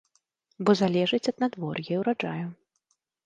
Бо залежыць ад надвор'я і ўраджаю.